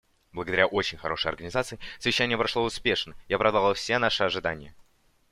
Благодаря очень хорошей организации совещание прошло успешно и оправдало все наши ожидания.